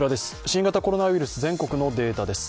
新型コロナウイルス、全国のデータです。